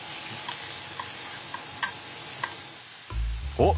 おっ！